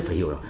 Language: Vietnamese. phải hiểu được